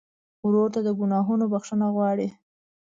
ورور ته د ګناهونو بخښنه غواړې.